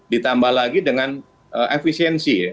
ditambah lagi dengan efisiensi